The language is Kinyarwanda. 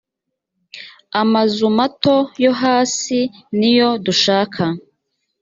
amazu mato yo hasi niyo dushaka